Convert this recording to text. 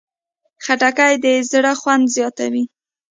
خټکی د زړه خوند زیاتوي.